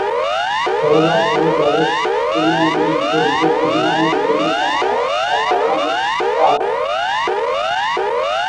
জলভাগ হলো জলের কোনও উল্লেখযোগ্য পরিমাণের জমে থাকা, যা সাধারণত পৃথিবীকে আবৃত করে রাখে।